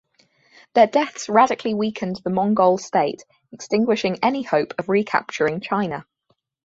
Their deaths radically weakened the Mongol state, extinguishing any hope of recapturing China.